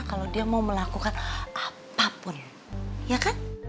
kalau dia mau melakukan apapun ya kan